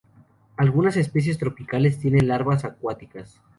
Algunas especies tropicales tienen larvas acuáticas.